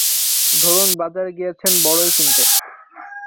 ধরুন বাজারে গিয়েছেন বড়ই কিনতে।